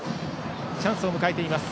チャンスを迎えています。